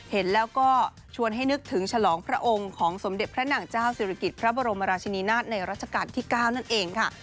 เห็นแล้วก็ชวนให้นึกถึงฉลองพระองค์ของสมเด็จพระนางเจ้าศิริกิจพระบรมราชินีนาฏในรัชกาลที่๙นั่นเองค่ะ